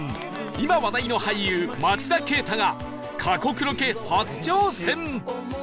今話題の俳優町田啓太が過酷ロケ初挑戦！